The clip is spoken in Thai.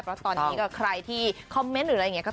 เพราะตอนนี้ก็ใครที่คอมเมนต์หรืออะไรอย่างนี้